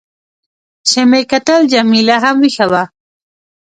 چې مې کتل، جميله هم وېښه وه.